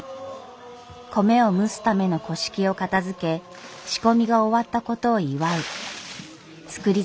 米を蒸すためのを片づけ仕込みが終わったことを祝う造り